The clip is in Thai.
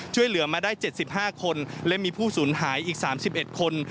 ช่วยเหลือมาได้๗๕คนและมีผู้สูญหายอีก๓๑คน